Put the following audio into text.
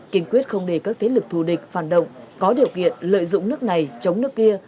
kiên quyết không để các thế lực thù địch phản động có điều kiện lợi dụng nước này chống nước kia